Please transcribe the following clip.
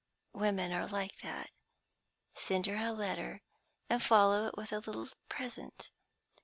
Women are like that. Send her a letter, and follow it with a little present.